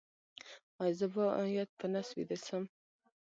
ایا زه باید په نس ویده شم؟